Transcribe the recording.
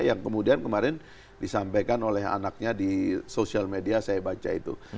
yang kemudian kemarin disampaikan oleh anaknya di sosial media saya baca itu